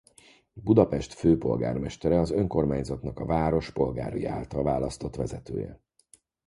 Budapest főpolgármestere az önkormányzatnak a város polgárai által választott vezetője.